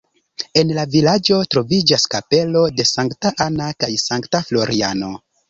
En la vilaĝo troviĝas kapelo de sankta Anna kaj sankta Floriano.